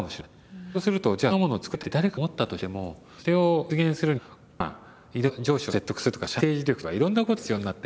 そうするとじゃあそんなものを作りたいって誰かが思ったとしてもそれを実現するにはまあいろいろ上司を説得するとか社内政治力とかいろんなことが必要になって。